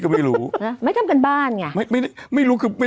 ไม่ทำกันบ้านไง